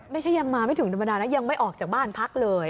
ไม่ใช่ยังมาไม่ถึงธรรมดาแล้วยังไม่ออกจากบ้านพักเลย